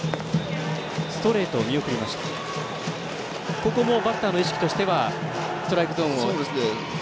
ここもバッターの意識としてはストライクゾーンを。